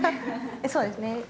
そうですね。